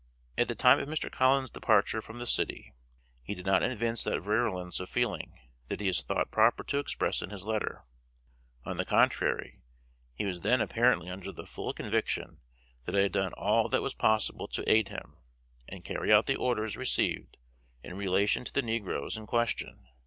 At the time of Mr. Collins's departure from this city, he did not evince that virulence of feeling that he has thought proper to express in his letter; on the contrary, he was then apparently under the full conviction that I had done all that was possible to aid him, and carry out the orders received in relation to the negroes in question.